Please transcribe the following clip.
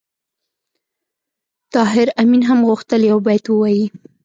طاهر آمین هم غوښتل یو بیت ووایي